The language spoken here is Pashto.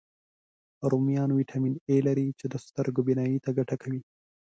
رومیان ویټامین A لري، چې د سترګو بینایي ته ګټه کوي